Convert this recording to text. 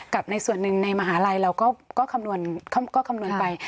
ในส่วนหนึ่งในมหาลัยเราก็คำนวณไป